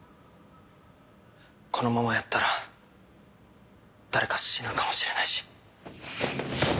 このままやったら誰か死ぬかもしれないし。